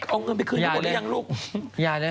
เอาเงินไปคืนในหมดสิระยกงยายเนี่ย